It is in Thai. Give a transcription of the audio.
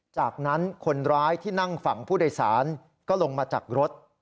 จากนั้นคนร้ายที่นั่งฝั่งผู้โดยสารก็ลงมาจากรถ